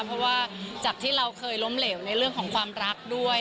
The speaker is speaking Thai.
เพราะว่าจากที่เราเคยล้มเหลวในเรื่องของความรักด้วย